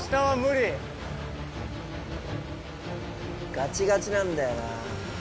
ガチガチなんだよな。